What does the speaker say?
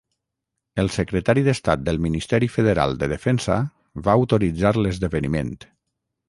El Secretari d'Estat del Ministeri Federal de Defensa va autoritzar l'esdeveniment.